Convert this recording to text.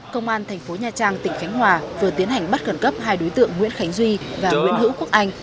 công an tp nhcm tỉnh khánh hòa vừa tiến hành bắt gần cấp hai đối tượng nguyễn khánh duy và nguyễn hữu quốc anh